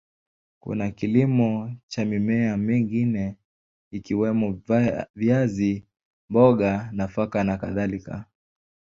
Kuna kilimo cha mimea mingine ikiwemo viazi, mboga, nafaka na kadhalika.